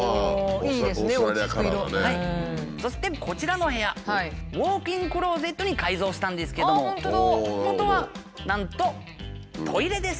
そしてこちらの部屋ウォークインクローゼットに改造したんですけどももとはなんとトイレです。